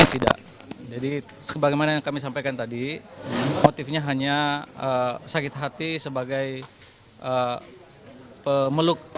tidak jadi sebagaimana yang kami sampaikan tadi motifnya hanya sakit hati sebagai pemeluk